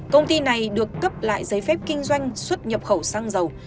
công ty này được cấp lại giấy phép kinh doanh xuất nhập khẩu xăng dầu